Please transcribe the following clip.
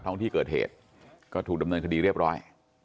ห้องที่เกิดเหตุก็ถูกดำเนินคดีเรียบร้อย